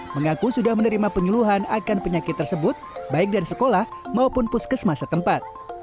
mengaku sudah menerima penyeluhan akan penyakit tersebut baik dari sekolah maupun puskesmasa tempat